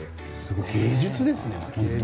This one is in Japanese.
芸術ですね。